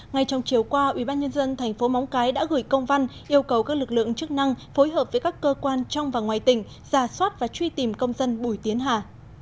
ngay trong chiều qua ubnd tp móng cái đã gửi công văn yêu cầu các lực lượng chức năng phối hợp với các cơ quan trong và ngoài tỉnh giả soát và truy tìm công dân bùi tiến hà